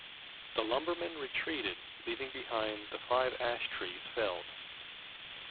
The lumbermen retreated leaving behind the five ash trees felled.